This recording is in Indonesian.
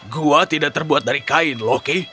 gua tidak terbuat dari kain loki